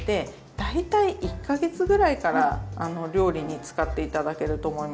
大体１か月ぐらいから料理に使って頂けると思います。